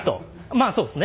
まあそうですね。